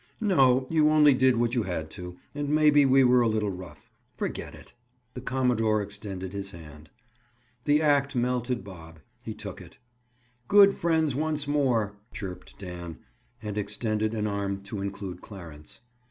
"No; you only did what you had to, and maybe we were a little rough. Forget it." The commodore extended his hand. The act melted Bob. He took it. "Good friends, once more!" chirped Dan, and extended an arm to include Clarence.